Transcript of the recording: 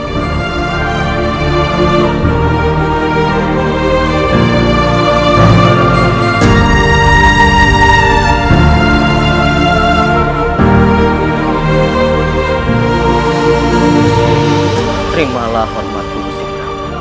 terimalah hormatku ustina